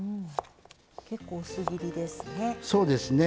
結構薄切りですね。